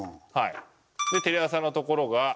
でテレ朝の所が。